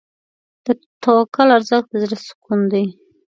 د توکل ارزښت د زړه سکون دی.